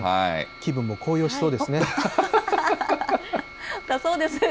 気分も高揚しそうですね。